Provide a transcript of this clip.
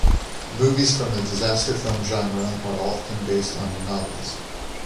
Movies from the disaster film genre are often based on novels.